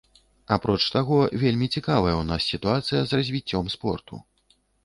Апроч таго, вельмі цікавая ў нас сітуацыя з развіццём спорту.